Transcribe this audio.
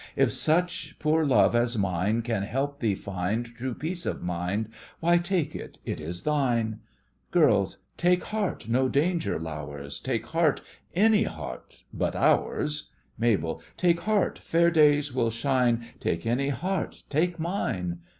If such poor love as mine Can help thee find True peace of mind Why, take it, it is thine! GIRLS: Take heart, no danger low'rs; Take any heart but ours! MABEL: Take heart, fair days will shine; Take any heart—take mine!